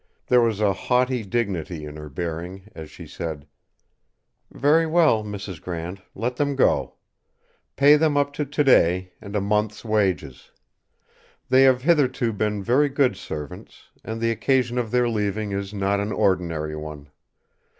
There was a haughty dignity in her bearing as she said: "Very well, Mrs. Grant; let them go! Pay them up to today, and a month's wages. They have hitherto been very good servants; and the occasion of their leaving is not an ordinary one.